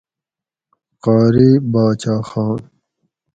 قاری باچا خان